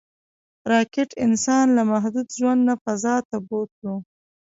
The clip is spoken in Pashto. راکټ انسان له محدود ژوند نه فضا ته بوتلو